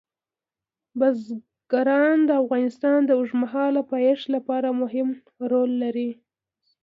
بزګان د افغانستان د اوږدمهاله پایښت لپاره مهم رول لري.